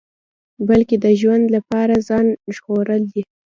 بلکې د ژوند لپاره ځان ژغورل دي.